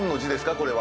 これは。